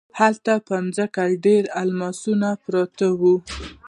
هلته په ځمکه ډیر الماسونه پراته وو.